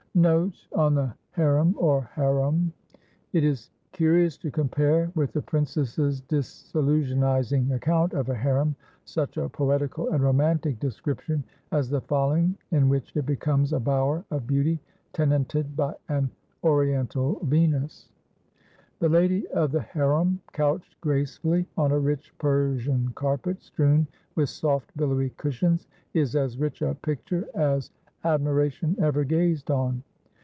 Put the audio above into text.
Note on the Harem, or Harum. It is curious to compare with the princess's disillusionizing account of a harem, such a poetical and romantic description as the following, in which it becomes a bower of beauty, tenanted by an Oriental Venus: "The lady of the harum couched gracefully on a rich Persian carpet strewn with soft billowy cushions is as rich a picture as admiration ever gazed on.